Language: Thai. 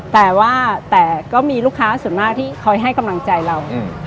แต่ว่าแต่ก็มีลูกค้าส่วนมากที่คอยให้กำลังใจเรา